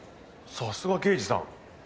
さすが刑事さん。